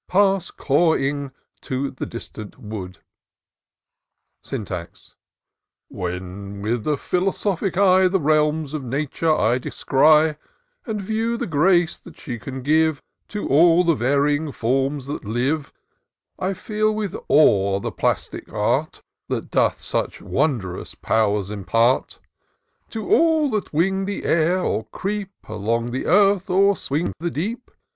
Pass cawing to the distant wood." 190 TOUR OF DOCTOR SYNTAX Syntax. ^* When with a philosophic eye The realms of Nature I descry, And view the grace that she can give To all the varjdng forms that live; 1 feel with awe the plastic art, That doth such wond rous pow'rs impart To all that wing the air, or creep Along the earth, or swim the deep.